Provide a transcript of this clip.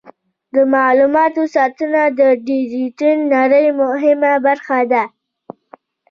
د معلوماتو ساتنه د ډیجیټل نړۍ مهمه برخه ده.